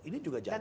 ini juga jagung